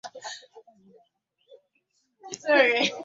Abantu baffe bonna baavu.